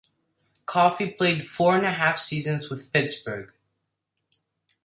Coffey played four and a half seasons with Pittsburgh.